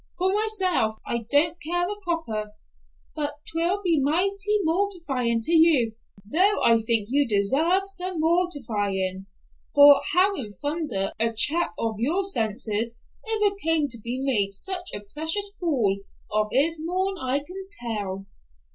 For myself I don't care a copper, but 'twill be mighty mortifyin' to you, though I think you desarve some mortifyin', for how in thunder a chap of your sense ever come to be made such a precious fool of is more'n I can tell."